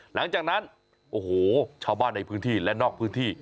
หลังจากนั้นโอ้โหชาวบ้านในพื้นที่และนอกพื้นที่